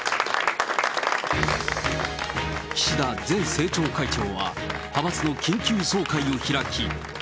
岸田前政調会長は、派閥の緊急総会を開き。